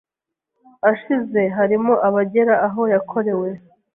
ashize harimo abagera aho yakorewe